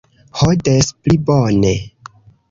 Ho, des pli bone.